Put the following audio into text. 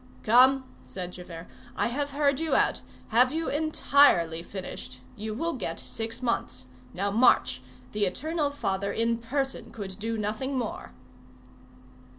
"Come!" said Javert, "I have heard you out. Have you entirely finished? You will get six months. Now march! The Eternal Father in person could do nothing more."